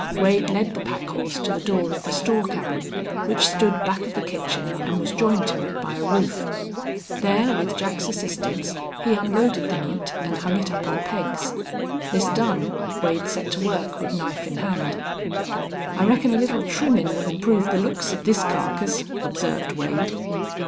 Wade led the pack horse to the door of the store cabin, which stood back of the kitchen and was joined to it by a roof. There, with Jack's assistance, he unloaded the meat and hung it up on pegs. This done, Wade set to work with knife in hand. "I reckon a little trimmin' will improve the looks of this carcass," observed Wade.